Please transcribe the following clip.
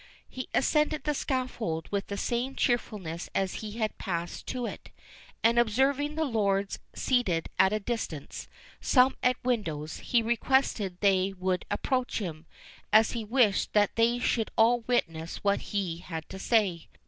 He ascended the scaffold with the same cheerfulness as he had passed to it; and observing the lords seated at a distance, some at windows, he requested they would approach him, as he wished that they should all witness what he had to say.